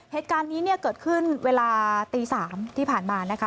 เหตุการณ์นี้เนี่ยเกิดขึ้นเวลาตี๓ที่ผ่านมานะคะ